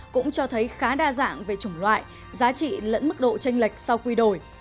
cũng cho thấy khá đa dạng về chủng loại giá trị lẫn mức độ tranh lệch sau quy đổi